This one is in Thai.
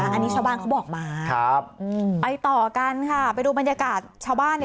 อันนี้ชาวบ้านเขาบอกมาครับไปต่อกันค่ะไปดูบรรยากาศชาวบ้านเนี่ย